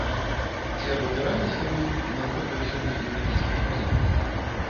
Ці абапіраліся вы на модных сёння еўрапейскіх музыкаў?